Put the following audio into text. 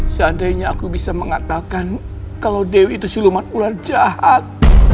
seandainya aku bisa mengatakan kalau dewi itu suluman ular jahat